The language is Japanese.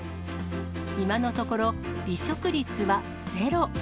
今のところ、離職率はゼロ。